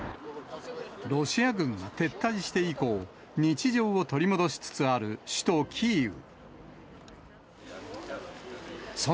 ロシア軍が撤退して以降、日常を取り戻しつつある、首都キーウ。